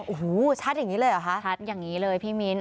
โอ้โหชัดอย่างนี้เลยเหรอคะชัดอย่างนี้เลยพี่มิ้น